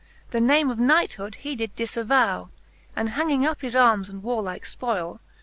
The name of knighthood he did difavow. And hanging up his armes and warlike fpoyle.